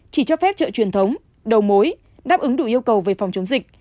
chỉ cho phép chợ truyền thống đầu mối đáp ứng đủ yêu cầu về phòng chống dịch